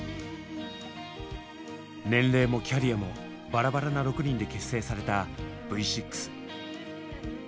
年齢もキャリアもバラバラな６人で結成されたＶ６。